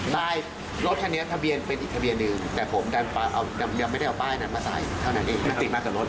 ไม่ใช่ว่าเอาคันของกิฟฟ์ที่บ้านมาสวมสัมเกต